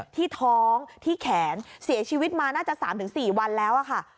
ที่ท้องที่แขนเสียชีวิตมาน่าจะ๓๔วันแล้วค่ะ